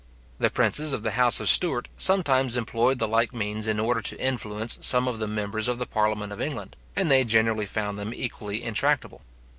The princes of the house of Stuart sometimes employed the like means in order to influence some of the members of the parliament of England, and they generally found them equally intractable.